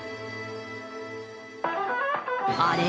あれ？